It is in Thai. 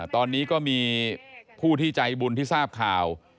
ตอนนี้ก็มีผู้ที่ใจบุญที่ทราบข่าว